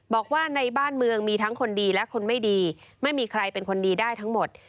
บอกว่าในบ้านเมืองมีทั้งคนดีและคนไม่ดีไม่มีใครเป็นคนดีได้ทั้งหมด